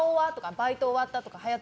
バイト終わった。